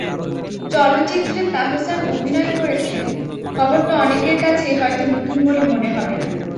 চলচ্চিত্রে তাহসান অভিনয় করছেন, খবরটা অনেকের কাছেই হয়তো নতুন বলে মনে হবে না।